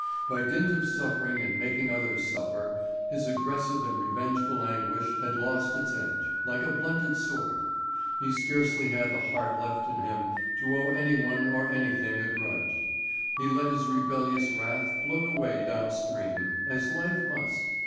By dint of suffering and making others suffer, his aggressive and revengeful anguish had lost its edge, like a blunted sword. He scarcely had the heart left in him to owe any one or anything a grudge; he let his rebellious wrath float away down stream, as his life must.